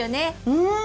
うん！